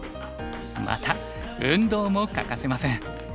また運動も欠かせません。